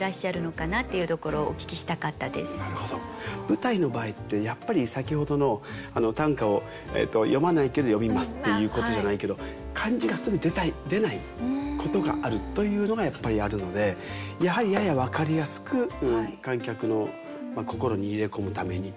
舞台の場合ってやっぱり先ほどの「短歌を詠まないけど読みます」っていうことじゃないけど漢字がすぐ出ないことがあるというのがやっぱりあるのでやはりやや分かりやすく観客の心に入れ込むために。